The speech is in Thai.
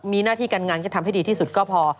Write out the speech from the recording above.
มีหน้าที่การงานก็ทำให้ดีที่สุดก็พอ